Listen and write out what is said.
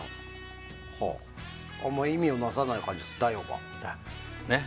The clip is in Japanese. あんまり意味をなさない感じです。